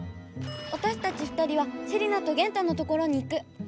わたしたち２人はセリナとゲンタのところに行く！